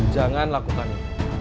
jangan lakukan itu